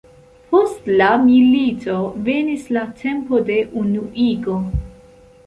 Post la milito venis la tempo de unuigo.